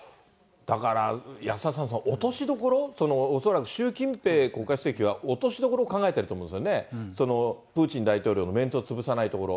だから安田さん、落としどころ、恐らく習近平国家主席は落としどころを考えていると思うんですよね、プーチン大統領のメンツを潰さないところ。